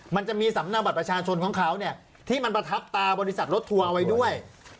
มันจะมีสำนาบัตรประชาชนของเขาเนี่ยที่มันประทับตาบริษัทรถทัวร์เอาไว้ด้วย